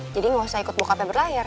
jadi gak usah ikut bokapnya berlahir